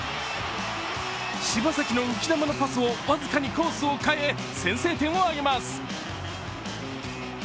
柴崎の浮き球のパスを僅かにコースを変え、先制点を挙げます。